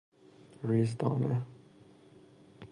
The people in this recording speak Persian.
ریزدانه